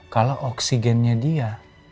kalau oksigennya dia